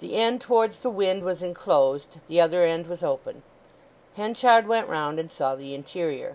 The end towards the wind was enclosed, the other end was open. Henchard went round and saw the interior.